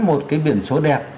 một cái biển số đẹp